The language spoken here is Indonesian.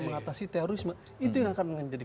mengatasi terorisme itu yang akan menjadi